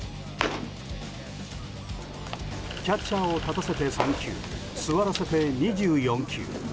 キャッチャーを立たせて３球座らせて２４球。